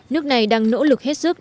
nước này đang nỗ lực hết sức